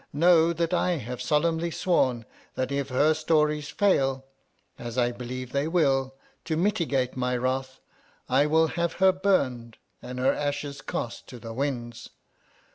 Know that I have solemnly sworn that if her stories fail — as I believe they will — to mitigate my wrath, I will have her burned and her ashes cast to the winds